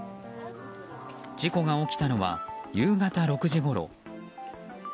事故が起きたのは夕方６時ごろ。